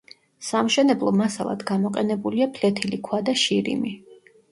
სამშენებლო მასალად გამოყენებულია ფლეთილი ქვა და შირიმი.